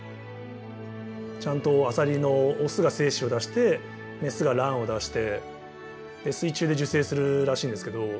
ちゃんとアサリのオスが精子を出してメスが卵を出してで水中で受精するらしいんですけど